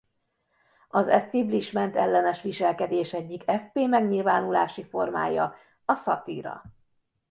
Az establishment-ellenes viselkedés egyik fp megnyilvánulási formája a szatíra.